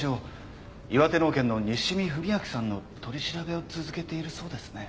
岩手農研の西見文明さんの取り調べを続けているそうですね。